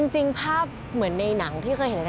จริงภาพเหมือนในหนังที่เคยเห็น